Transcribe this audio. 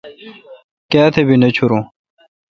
کیا تہ۔ بھی نہ چھورون۔